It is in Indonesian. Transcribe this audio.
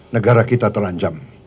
negara kita terancam